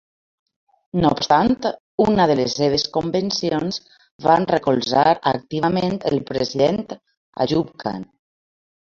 No obstant, una de les seves convencions van recolzar activament el president Ayub Khan.